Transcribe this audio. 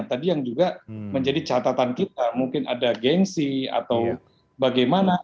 tadi yang juga menjadi catatan kita mungkin ada gengsi atau bagaimana